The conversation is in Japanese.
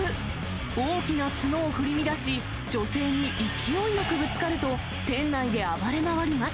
大きな角を振り乱し、女性に勢いよくぶつかると、店内で暴れ回ります。